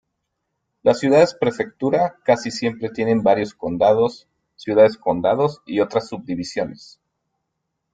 Las ciudades-prefectura casi siempre tienen varios condados, ciudades-condados y otras subdivisiones.